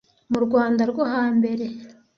Mu Rwanda rwo ha mbere ,